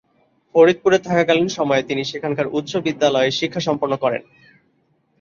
ফরিদপুরে থাকাকালীন সময়ে তিনি সেখানেই উচ্চ বিদ্যালয়ের শিক্ষা সম্পন্ন করেন।